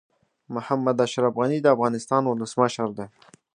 محمد اشرف غني د افغانستان ولسمشر دي.